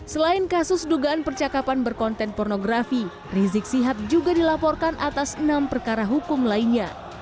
selain kasus dugaan percakapan berkonten pornografi rizik sihab juga dilaporkan atas enam perkara hukum lainnya